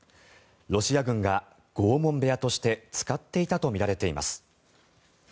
ロシア軍が拷問部屋として使っていたとみられています。